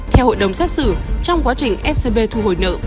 theo hội đồng xét xử trong quá trình scb thu hồi nợ